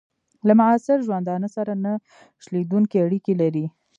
له معاصر ژوندانه سره نه شلېدونکي اړیکي لري.